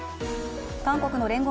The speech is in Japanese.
韓国の聯合